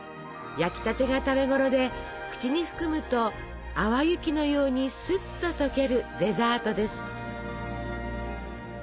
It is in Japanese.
焼きたてが食べごろで口に含むと淡雪のようにすっと溶けるデザートです。